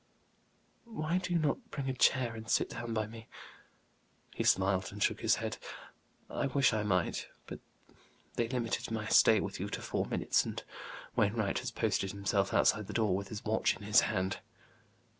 "Why do you not bring a chair, and sit down by me?" He smiled and shook his head. "I wish I might. But they limited my stay with you to four minutes, and Wainwright has posted himself outside the door, with his watch in his hand."